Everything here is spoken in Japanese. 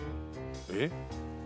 えっ？